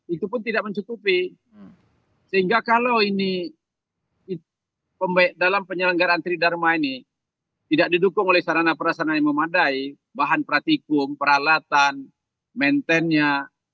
itu pun tidak mencukupi sehingga kalau ini dalam penyelenggaraan tridharma ini tidak didukung oleh sarana perasana yang memadai bahan pratikum peralatan maintennya